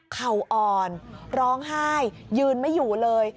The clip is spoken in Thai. เข่าอ่อนร้องไห้ยืนไม่อยู่เลย